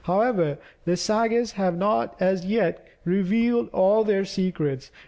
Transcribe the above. However, the Sagas have not as yet revealed all their secrets.